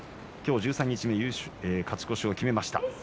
十三日目に勝ち越しを決めました。